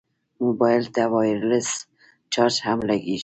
موبایل ته وایرلس چارج هم لګېږي.